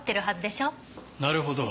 なるほど。